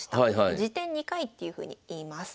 次点２回っていうふうにいいます。